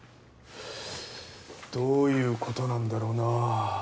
どういう事なんだろうな？